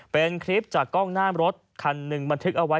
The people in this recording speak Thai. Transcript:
เป็นคลิปจากกล้องหน้ารถคันหนึ่งบันทึกเอาไว้